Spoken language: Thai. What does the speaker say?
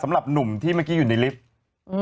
สำหรับหนุ่มที่เมื่อกี้อยู่ในลิฟต์